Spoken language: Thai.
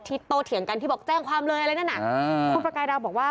โตเถียงกันที่บอกแจ้งความเลยอะไรนั่นน่ะอ่าคุณประกายดาวบอกว่า